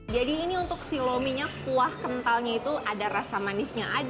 jadi ini untuk si lominya kuah kentalnya itu ada rasa manisnya ada